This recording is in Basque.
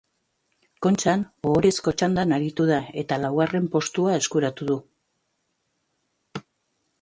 Kontxan ohorezko txandan aritu da eta laugarren postua eskuratu du.